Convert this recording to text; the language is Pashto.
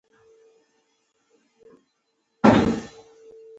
غږ د هستۍ پېغام دی